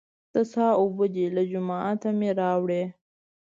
د څاه اوبه دي، له جوماته مې راوړې.